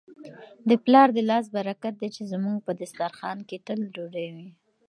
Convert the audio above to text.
د پلار د لاس برکت دی چي زموږ په دسترخوان کي تل ډوډۍ وي.